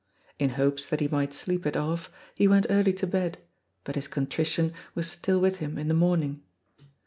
In hopes that he might sleep it off he went early to bed, but his contrition was still with him in the morning.